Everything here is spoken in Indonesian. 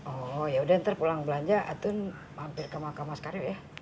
oh yaudah ntar pulang belanja atun mampir ke makam masker ya